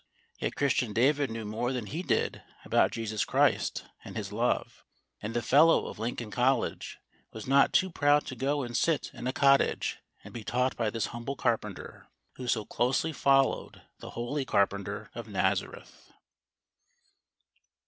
Yet Christian David knew more than he did about Jesus Christ and His love; and the Fellow of Lincoln College was not too proud to go and sit in a cottage and be taught by this humble carpenter, who so closely followed the Holy Carpenter of Nazareth.